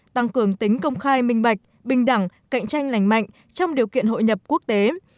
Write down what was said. tăng cường tính công khai minh bạch bình đẳng cạnh tranh lành mạnh trong điều kiện hội nhập quốc tế